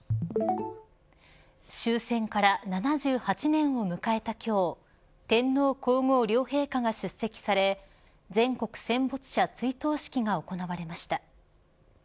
終戦から７８年を迎えた今日天皇皇后両陛下が出席され全国戦没者追悼式が行われました。